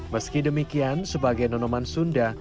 meski demikian sebagai nonoman sunda